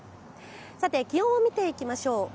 さて、気温を見ていきましょう。